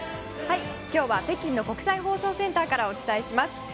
今日は北京の国際放送センターからお伝えします。